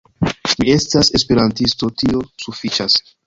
Mi estas Esperantisto, tio sufiĉas.